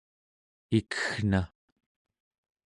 ikeggna